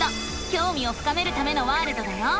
きょうみを深めるためのワールドだよ！